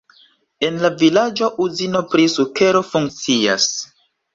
En la vilaĝo uzino pri sukero funkcias.